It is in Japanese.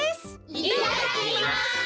いただきます！